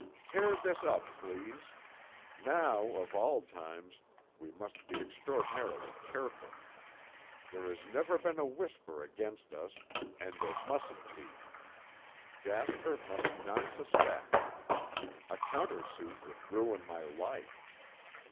Tear this up, please. Now, of all times, we must be extraordinarily careful. There has never been a whisper against us and there mustn't be. Jasper must not suspect. A counter suit would ruin my life.